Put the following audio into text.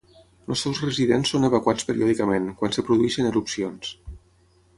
Els seus residents són evacuats periòdicament, quan es produeixen erupcions.